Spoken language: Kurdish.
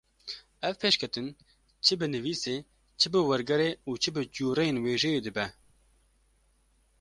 ev pêşketin çi bi nivîsê, çi bi wergerê û çi bi cûreyên wêjeyê dibe.